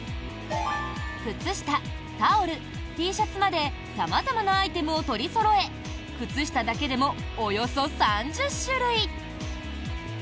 靴下、タオル、Ｔシャツまで様々なアイテムを取りそろえ靴下だけでもおよそ３０種類！